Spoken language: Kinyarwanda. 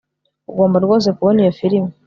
ugomba rwose kubona iyo firime